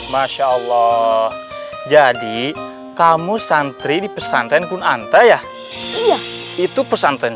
masya allah jadi kamu santri di pesantren kunanta ya iya itu pesantren